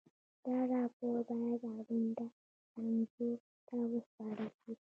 دا راپور باید اړونده څانګو ته وسپارل شي.